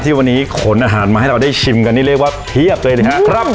วันนี้ขนอาหารมาให้เราได้ชิมกันนี่เรียกว่าเพียบเลยนะครับ